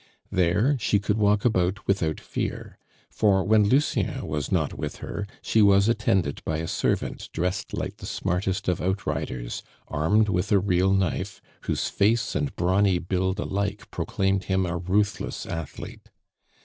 There she could walk about without fear; for when Lucien was not with her, she was attended by a servant dressed like the smartest of outriders, armed with a real knife, whose face and brawny build alike proclaimed him a ruthless athlete.